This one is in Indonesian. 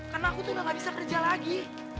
karena aku tuh gak bisa kerja lagi